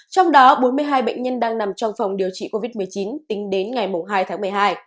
trong đó bốn mươi hai bệnh nhân đang nằm trong phòng điều trị covid một mươi chín tính đến ngày hai tháng một mươi hai